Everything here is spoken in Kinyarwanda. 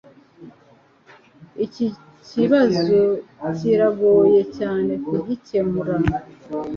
Iki kibazo kiragoye cyane kugikemura.